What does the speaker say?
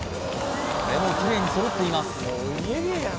これもきれいに揃っています